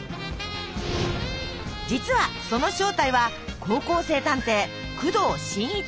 実はその正体は高校生探偵工藤新一。